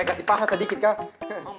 kasih paha sedikit kak